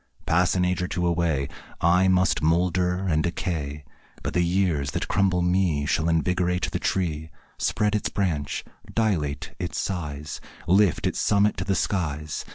Pass an age or two away, I must moulder and decay, But the years that crumble me Shall invigorate the tree, Spread its branch, dilate its size, Lift its summit to the skies.